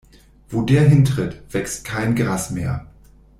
Wo der hintritt, wächst kein Gras mehr.